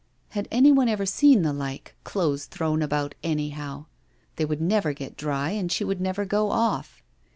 Had one ever seen the like, clothes thrown about anyhow? They would never get dry, and she would never go off!